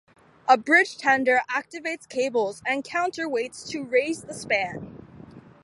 A bridgetender activates cables and counterweights to raise the span.